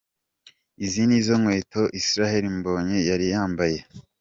Izi ni zo nkweto Israel Mbonyi yari yambaye.